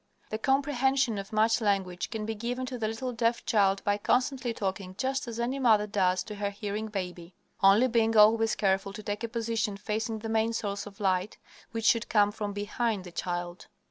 The comprehension of much language can be given to the little deaf child by constantly talking just as any mother does to her hearing baby, only being always careful to take a position facing the main source of light, which should come from behind the child.